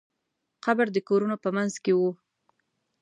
قبر د کورونو په منځ کې و.